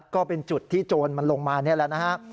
ก็เป็นจุดที่โจรมันลงมานี่แหละนะฮะ